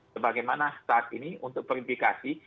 sebagaimana saat ini untuk verifikasi